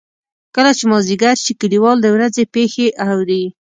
کله چې مازدیګر شي کلیوال د ورځې پېښې اوري.